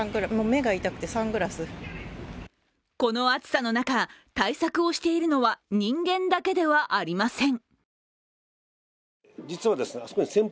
この暑さの中、対策をしているのは人間だけではありません。